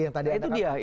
yang tadi anda katakan